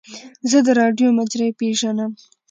زه د راډیو مجری پیژنم.